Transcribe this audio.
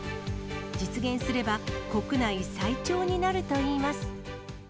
実現すれば、国内最長になるといいます。